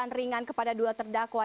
yang diberi kepentingan kepada dua terdakwa